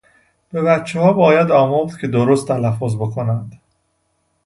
به بچهها باید آموخت که درست تلفظ بکنند.